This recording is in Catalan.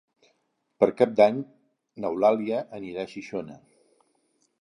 Per Cap d'Any n'Eulàlia anirà a Xixona.